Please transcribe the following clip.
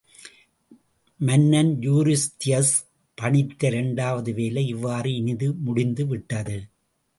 மன்னன் யூரிஸ்தியஸ் பணித்த இரண்டாவது வேலை இவ்வாறு இனிது முடிந்துவிட்டது.